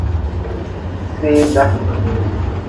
Feega.